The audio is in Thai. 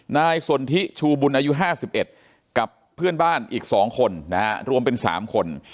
นายสนทิชูบุญอายุ๕๑กับเพื่อนบ้านอีก๒คนนะฮะรวมเป็น๓คน